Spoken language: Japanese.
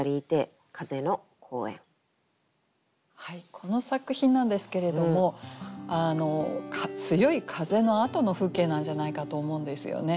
この作品なんですけれども強い風のあとの風景なんじゃないかと思うんですよね。